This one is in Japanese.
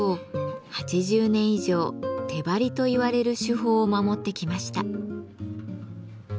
８０年以上「手貼り」といわれる手法を守ってきました。